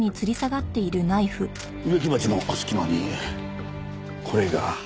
植木鉢の隙間にこれが。